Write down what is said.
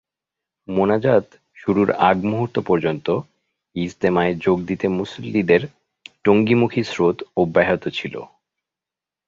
মোনাজাত শুরুর আগমুহূর্ত পর্যন্ত ইজতেমায় যোগ দিতে মুসল্লিদের টঙ্গীমুখী স্রোত অব্যাহত ছিল।